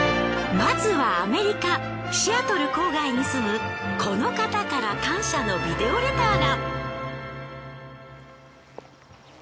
まずはアメリカシアトル郊外に住むこの方から感謝のビデオレターが。